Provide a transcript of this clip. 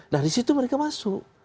nah di situ mereka masuk